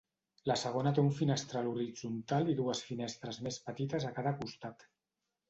La segona té un finestral horitzontal i dues finestres més petites a cada costat.